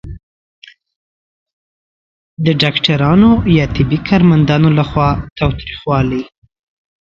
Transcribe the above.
د ډاکټرانو یا طبي کارمندانو لخوا تاوتریخوالی